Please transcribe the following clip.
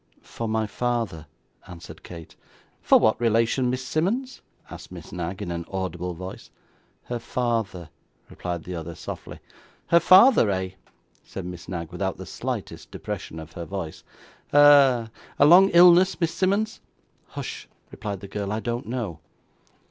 'For my father,' answered Kate. 'For what relation, Miss Simmonds?' asked Miss Knag, in an audible voice. 'Her father,' replied the other softly. 'Her father, eh?' said Miss Knag, without the slightest depression of her voice. 'Ah! A long illness, Miss Simmonds?' 'Hush,' replied the girl; 'I don't know.